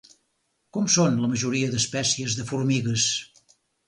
Com són la majoria d'espècies de formigues?